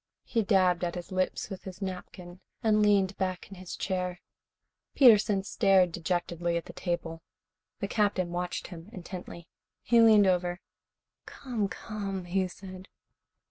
He dabbed at his lips with his napkin and leaned back in his chair. Peterson stared dejectedly at the table. The Captain watched him intently. He leaned over. "Come, come," he said.